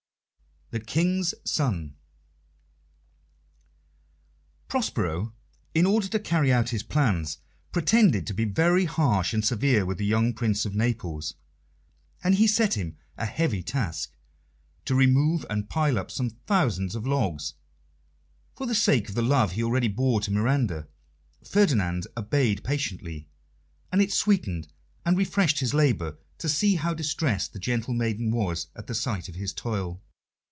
The King's Son Prospero, in order to carry out his plans, pretended to be very harsh and severe with the young Prince of Naples, and he set him a heavy task to remove and pile up some thousands of logs. For the sake of the love he already bore to Miranda, Ferdinand obeyed patiently, and it sweetened and refreshed his labour to see how distressed the gentle maiden was at the sight of his toil.